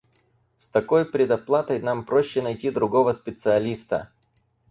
С такой предоплатой нам проще найти другого специалиста.